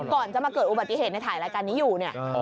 ก่อนจะมาเกิดอุบัติเหตุในถ่ายรายการนี้อยู่เนี่ย